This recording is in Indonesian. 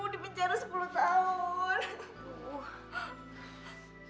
dibencara sepuluh tahun